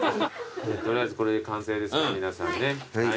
取りあえずこれで完成ですか皆さんね。